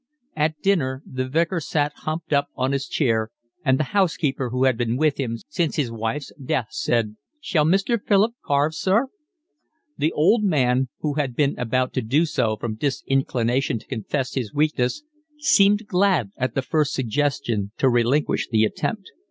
At dinner the Vicar sat humped up on his chair, and the housekeeper who had been with him since his wife's death said: "Shall Mr. Philip carve, sir?" The old man, who had been about to do so from disinclination to confess his weakness, seemed glad at the first suggestion to relinquish the attempt.